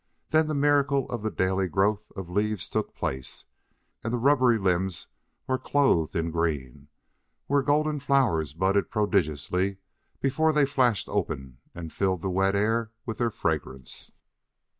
Then the miracle of the daily growth of leaves took place, and the rubbery limbs were clothed in green, where golden flowers budded prodigiously before they flashed open and filled the wet air with their fragrance.